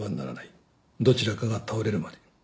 どちらかが倒れるまで。